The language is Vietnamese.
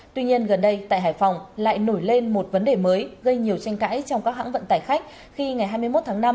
tuy nhiên gần đây tại hải phòng lại nổi lên một vấn đề mới gây nhiều tranh cãi trong các hãng vận tải khách khi ngày hai mươi một tháng năm